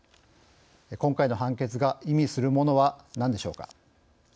今回の判決が意味するものは何でしょうか。